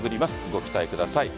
ご期待ください。